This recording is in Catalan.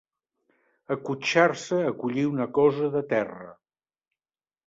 Acotxar-se a collir una cosa de terra.